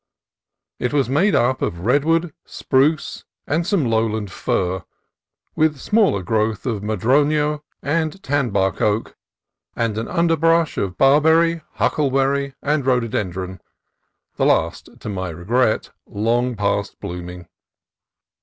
It was made up of redwood, spruce, and some lowland fir, with smaller growth of madrono and tan bark oak, and an underbrush of barberry, huckleberry, and rhododendron, the last, to my regret, long past blooming.